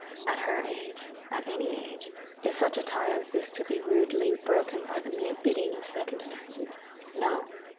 At her age at any age is such a tie as this to be rudely broken at the mere bidding of circumstances? No!